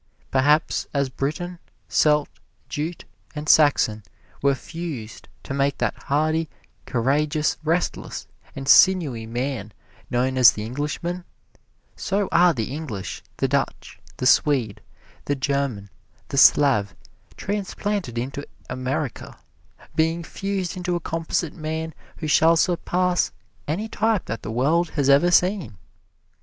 Perhaps as Briton, Celt, Jute and Saxon were fused to make that hardy, courageous, restless and sinewy man known as the Englishman, so are the English, the Dutch, the Swede, the German, the Slav, transplanted into America, being fused into a composite man who shall surpass any type that the world has ever seen.